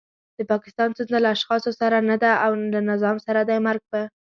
د پاکستان ستونزه له اشخاصو سره نده له نظام سره دی. مرګ په